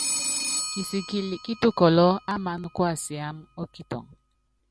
Kisikili kítukɔlɔ́ ámaná kuasiámá ɔ́kitɔŋɔ.